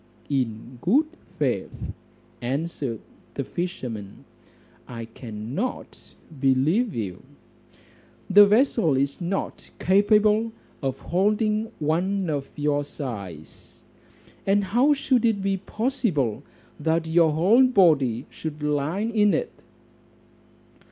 "In good faith," answered the fisherman, "I cannot believe you; the vessel is not capable of holding one of your size, and how should it be possible that your whole body should lie in it?"